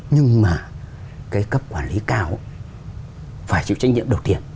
nhưng mà cái cấp quản lý cao phải chịu trách nhiệm đầu tiên